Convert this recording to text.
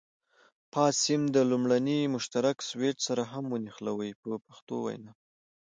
فاز سیم د لومړني مشترک سویچ سره هم ونښلوئ په پښتو وینا.